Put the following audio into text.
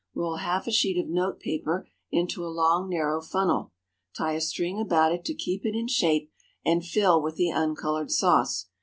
Roll half a sheet of note paper into a long, narrow funnel, tie a string about it to keep it in shape, and fill with the uncolored sauce.